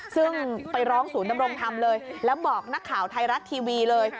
ซึ่งไปร้องศูนย์ดำรงธรรมเลยแล้วบอกนักข่าวไทยรัฐทีวีเลย